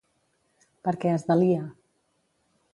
Per què es delia?